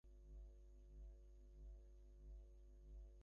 তথাকথিত মৃত্যু এই কেন্দ্রের পরিবর্তন-মাত্র।